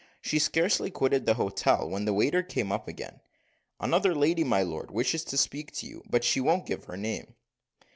She had scarcely quitted the hotel, when the waiter came up again. "Another lady, my lord, wishes to speak with you; but she won't give her name."